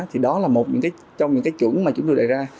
thì đó là một cái trong những cái chuẩn mà chúng tôi đề ra